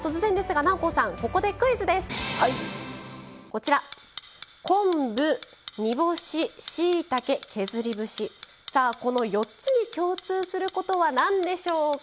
こちら昆布煮干ししいたけ削り節さあこの４つに共通することは何でしょうか？